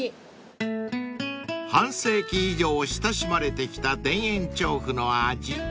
［半世紀以上親しまれてきた田園調布の味］